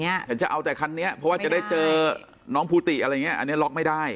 เห็นจะเอาแต่คันนี้เพราะว่าจะได้เจอน้องภูติอะไรอย่างนี้อันนี้ล็อกไม่ได้